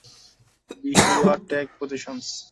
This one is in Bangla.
বিশওয়া, টেক পজিশনস।